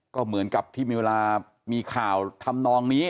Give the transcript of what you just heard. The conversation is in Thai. ก็เหมือนกับที่มีเวลามีข่าวทำนองนี้